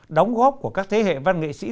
đóng góp của các thế hệ văn nghệ sĩ